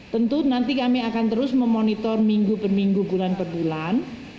tentu nanti kami akan terus memonitor minggu per minggu bulan per bulan